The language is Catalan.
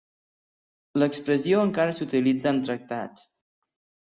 L'expressió encara s'utilitza en tractats.